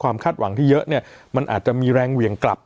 คาดหวังที่เยอะเนี่ยมันอาจจะมีแรงเหวี่ยงกลับ